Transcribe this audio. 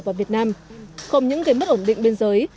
vào việt nam không những cái mất ổn định biên giới